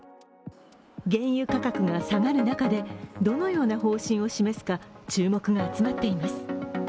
原油価格が下がる中でどのような方針を示すか、注目が集まっています。